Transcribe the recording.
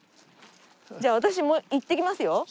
じゃあ私も行ってきますよ。